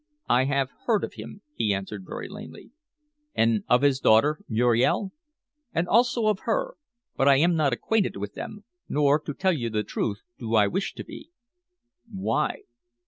"I have heard of him," he answered very lamely. "And of his daughter Muriel?" "And also of her. But I am not acquainted with them nor, to tell the truth, do I wish to be." "Why?"